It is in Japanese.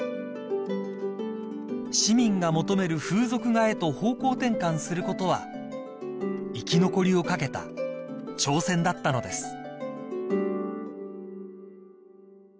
［市民が求める風俗画へと方向転換することは生き残りをかけた挑戦だったのです］